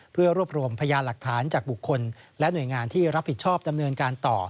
เพื่อรวบรวมพยานหลักฐานจากบุคคลและหน่วยงานที่รับผิดชอบดำเนินการต่อ